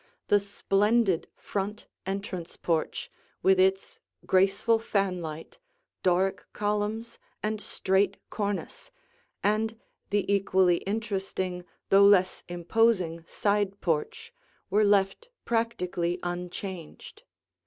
The splendid front entrance porch with its graceful fanlight, Doric columns, and straight cornice, and the equally interesting though less imposing side porch were left practically unchanged.